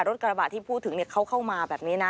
รถกระบะที่พูดถึงเขาเข้ามาแบบนี้นะ